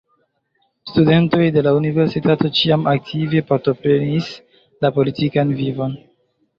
Studentoj de la universitato ĉiam aktive partoprenis la politikan vivon.